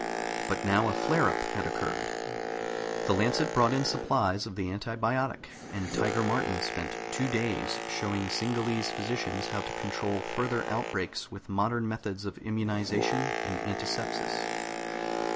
But now a flareup had occurred. The Lancet brought in supplies of the antibiotic, and Tiger Martin spent two days showing Singallese physicians how to control further outbreaks with modern methods of immunization and antisepsis.